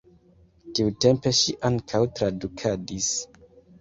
Tiutempe ŝi ankaŭ tradukadis.